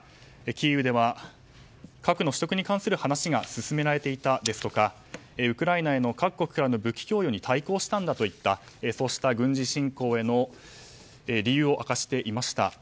キーウでは核の取得に関する話が進められていたとかウクライナへの各国からの武器供与に対抗したんだといった軍事侵攻への理由を明かしていました。